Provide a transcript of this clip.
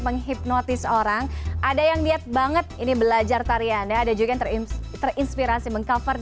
menghipnotis orang ada yang lihat banget ini belajar tarian ada juga terinspirasi meng cover